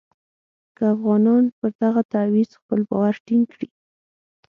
که افغانان پر دغه تعویض خپل باور ټینګ کړي.